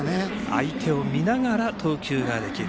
相手を見ながら投球ができる。